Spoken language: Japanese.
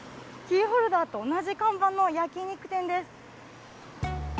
キーホルダーと同じ看板の焼き肉店です。